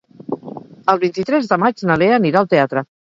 El vint-i-tres de maig na Lea anirà al teatre.